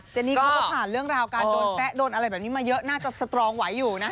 นี่เขาก็ผ่านเรื่องราวการโดนแซะโดนอะไรแบบนี้มาเยอะน่าจะสตรองไหวอยู่นะ